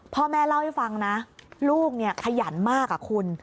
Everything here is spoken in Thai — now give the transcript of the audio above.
พ่อแม่เล่าให้ฟังนะลูกเนี่ยขยันมากคุณ